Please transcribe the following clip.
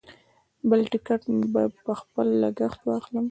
بل ټکټ به په خپل لګښت واخلم.